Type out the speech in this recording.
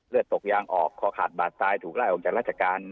ตกยางออกคอขาดบาดตายถูกไล่ออกจากราชการ